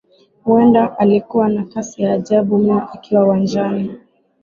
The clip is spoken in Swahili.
Huenda alikuwa na kasi ya ajabu mno akiwa uwanjani